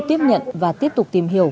tiếp nhận và tiếp tục tìm hiểu